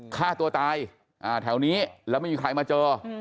ฆ่าตัวตายแถวนี้แล้วไม่มีใครมาเจอ